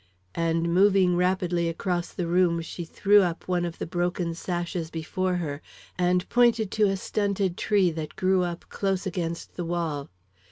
And moving rapidly across the room, she threw up one of the broken sashes before her, and pointed to a stunted tree that grew up close against the wall.